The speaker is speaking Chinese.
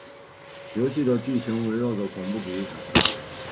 游戏的剧情围绕恐怖主义展开。